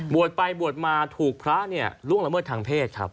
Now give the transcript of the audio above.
ไปบวชมาถูกพระเนี่ยล่วงละเมิดทางเพศครับ